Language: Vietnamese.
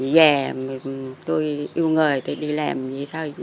già tôi yêu người thì đi làm vậy thôi